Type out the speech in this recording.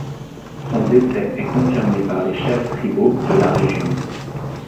Son décès est confirmé par les chefs tribaux de la région.